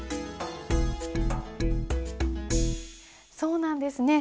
そうなんですね。